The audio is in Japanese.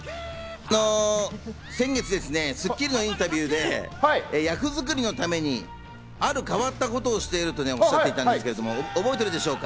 先月、『スッキリ』のインタビューで役作りのためにある変わったことをしているとおっしゃっていたんですけど、覚えているでしょうか？